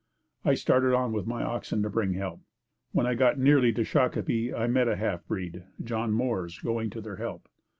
I started on with my oxen to bring help. When I got nearly to Shakopee, I met a half breed, John Moores, going to their help.